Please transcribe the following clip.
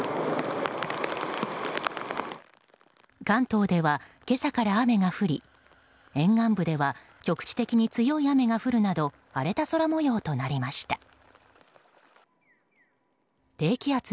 関東では今朝から雨が降り沿岸部では局地的に強い雨が降るなど荒れた空模様となりました。